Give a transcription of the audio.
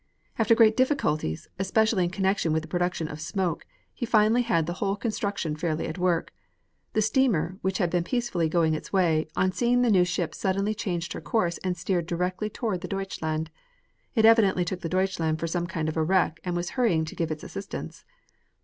After great difficulties, especially in connection with the production of smoke, he finally had the whole construction fairly at work. The steamer, which had been peacefully going its way, on seeing the new ship suddenly changed her course and steered directly toward the Deutschland. It evidently took the Deutschland for some kind of a wreck and was hurrying to give it assistance.